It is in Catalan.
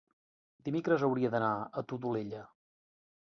Dimecres hauria d'anar a la Todolella.